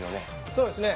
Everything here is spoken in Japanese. そうですね。